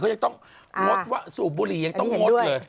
ยังต้องงดว่าสูบบุหรี่ยังต้องงดเลย